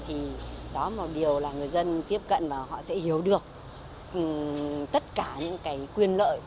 thì đó là một điều là người dân tiếp cận và họ sẽ hiểu được tất cả những cái quyền lợi